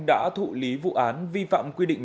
đã thụ lý vụ án vi phạm quy định